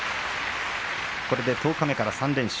これで十日目から３連勝。